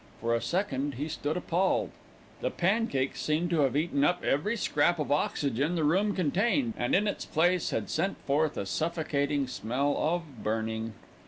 For a second he stood appalled, the pancake seemed to have eaten up every scrap of oxygen the room contained, and in its place had sent forth a suffocating smell of burning.